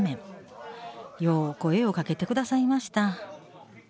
よう声をかけて下さいました